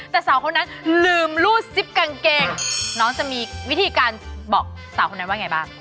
แต่สาวคนนั้นลืมรูดซิปกางเกงน้องจะมีวิธีการบอกสาวคนนั้นว่าไงบ้าง